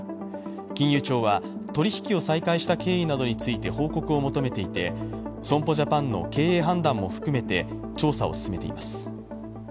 金融庁は、取り引きを再開した経緯などについて報告を求めていて損保ジャパンの経営判断も含めて調査を進めています。